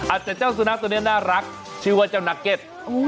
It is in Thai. เจ้าสุนัขตัวนี้น่ารักชื่อว่าเจ้านักเก็ต